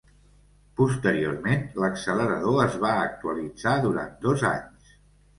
Posteriorment, l'accelerador es va actualitzar durant dos anys.